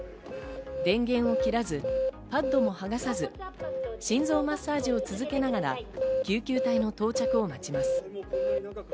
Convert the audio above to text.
電源を切らず、パットも剥がさず、心臓マッサージを続けながら、救急隊の到着を待ちます。